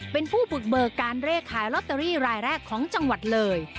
เป็นผู้บุกเบิกการเลขขายลอตเตอรี่รายแรกของจังหวัดเลย